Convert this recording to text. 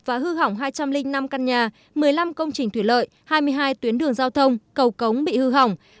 và hư hỏng hai trăm linh năm căn nhà một mươi năm công trình thủy lợi hai mươi hai tuyến đường giao thông cầu cống bị hư hỏng